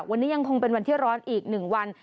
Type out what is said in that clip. วันนี้ยังคงเป็นวันที่ร้อนอีก๑วัน